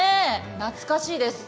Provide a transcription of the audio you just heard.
懐かしいです。